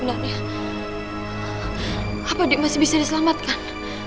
apa masih bisa diselamatkan